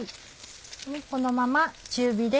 このまま中火で。